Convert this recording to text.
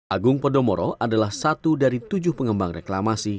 agung podomoro adalah satu dari tujuh pengembang reklamasi